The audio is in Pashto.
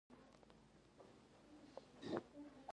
په دې وسایلو سره یوازې یو بعد یا یوه ثابته اندازه کنټرول کېږي.